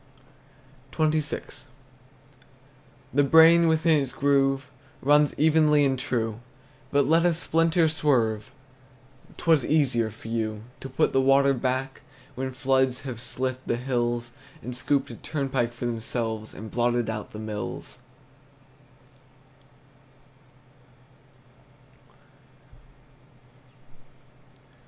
XXVI. The brain within its groove Runs evenly and true; But let a splinter swerve, 'T were easier for you To put the water back When floods have slit the hills, And scooped a turnpike for themselves, And blotted out the mills!